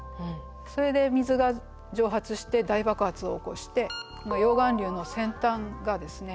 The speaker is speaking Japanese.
それで水が蒸発して大爆発を起こしてこの溶岩流の先端がですね